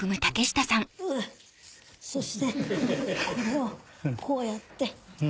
うっそしてこれをこうやって。